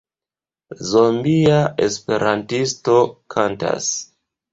Zombia esperantisto kantas.